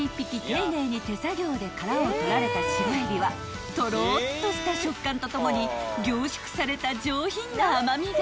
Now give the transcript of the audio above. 丁寧に手作業で殻を取られた白えびはとろっとした食感とともに凝縮された上品な甘味が］